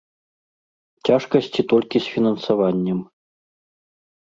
Цяжкасці толькі з фінансаваннем.